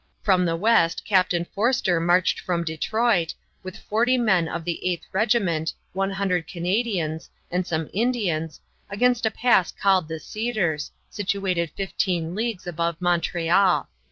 From the west Captain Forster marched from Detroit, with 40 men of the Eighth Regiment, 100 Canadians, and some Indians, against a pass called the Cedars, situated fifteen leagues above Montreal.